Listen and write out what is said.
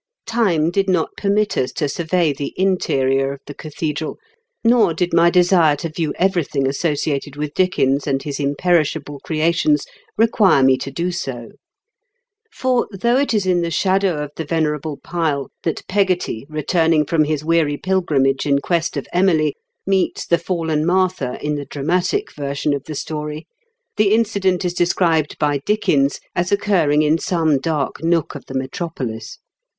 Time did not permit us to survey the interior of the cathedral, nor did my desire to view everything associated with Dickens and his imperishable creations require me to do so ; for, though it is in the shadow of the venerable pile that Peggotty, returning from his weary pilgrimage in quest of Emily, meets the fallen Martha, in the dramatic version of the story, the incident is described by Dickens as occurring in some dark nook of the metropolis.